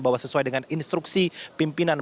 bahwa sesuai dengan instruksi pimpinan